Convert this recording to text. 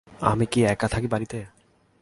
আমি কি একা থাকি বাড়িতে?